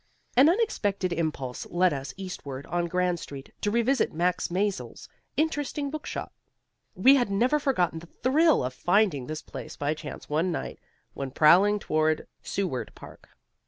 An unexpected impulse led us eastward on Grand Street, to revisit Max Maisel's interesting bookshop. We had never forgotten the thrill of finding this place by chance one night when prowling toward Seward Park.